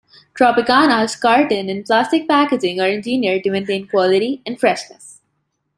Tropicana's carton and plastic packaging are engineered to maintain quality and freshness.